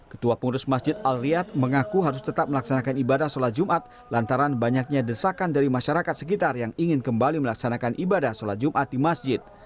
ketua pengurus masjid al riyad mengaku harus tetap melaksanakan ibadah sholat jumat lantaran banyaknya desakan dari masyarakat sekitar yang ingin kembali melaksanakan ibadah sholat jumat di masjid